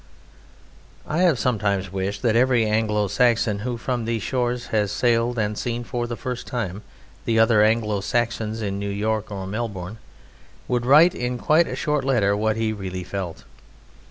I have sometimes wished that every Anglo Saxon who from these shores has sailed and seen for the first time the other Anglo Saxons in New York or Melbourne, would write in quite a short letter what he really felt.